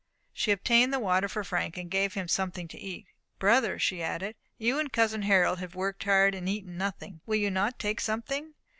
She obtained the water for Frank, and gave him something to eat. "Brother," she added, "you and cousin Harold have worked hard, and eaten nothing. Will you not take something?